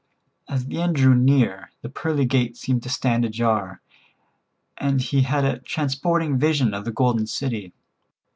As the end drew near the pearly gate seemed to stand ajar, and he had a transporting vision of the Golden City.